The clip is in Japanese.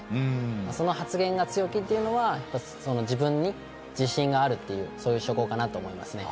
その発言が強気というのは自分に自信があるという証拠かなと思いますね。